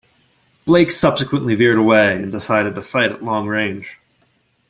Blake subsequently veered away and decided to fight at long range.